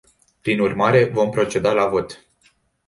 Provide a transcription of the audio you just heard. Prin urmare vom proceda la vot.